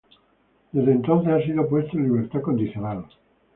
Desde entonces ha sido puesto en libertad condicional.